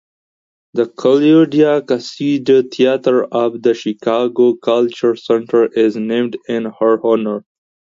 The Claudia Cassidy Theater of the Chicago Cultural Center is named in her honor.